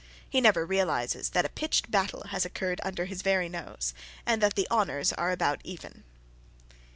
He never realises that a pitched battle has occurred under his very nose, and that the honours are about even.